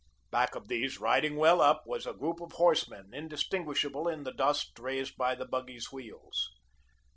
Back of these, riding well up, was a group of horsemen, indistinguishable in the dust raised by the buggy's wheels.